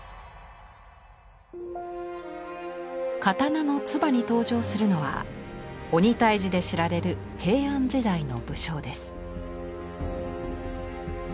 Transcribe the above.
刀の鐔に登場するのは鬼退治で知られる平安時代の武将です。